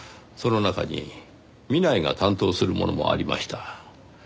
その中に南井が担当するものもありました。